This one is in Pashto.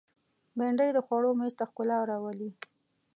بېنډۍ د خوړو مېز ته ښکلا راولي